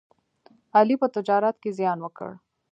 علي په تجارت کې زیان وکړ.